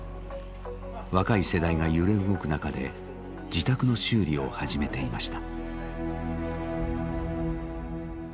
若い世代が揺れ動く中で自宅の修理を始めていました。